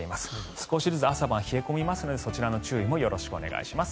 少しずつ朝晩冷え込みますのでそちらの注意もよろしくお願いします。